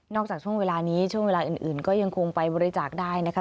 จากช่วงเวลานี้ช่วงเวลาอื่นก็ยังคงไปบริจาคได้นะคะ